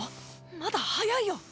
まだ早いよ。